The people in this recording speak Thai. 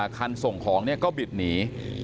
คันส่งของเนี่ยก็บิดหนี